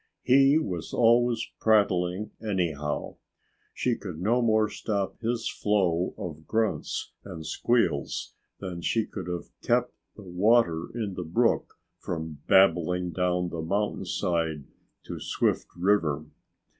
He was always prattling, anyhow. She could no more stop his flow of grunts and squeals than she could have kept the water in the brook from babbling down the mountainside to Swift River.